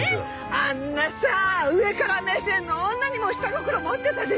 あんなさ上から目線の女にも下心持ってたでしょ？